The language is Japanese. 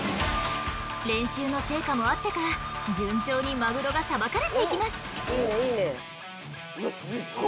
練習の成果もあってか順調にマグロが捌かれていきます。